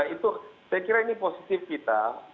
itu saya kira ini positif kita